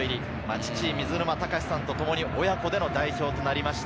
父・水沼貴史さんとともに親子での代表となりました。